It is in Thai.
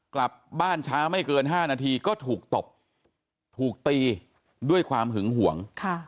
กลับบ้านช้าไม่เกิน๕นาทีก็ถูกตบถูกตีด้วยความหึงห่วง